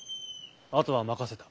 あとは任せた。